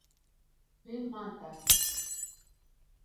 Ғилман да: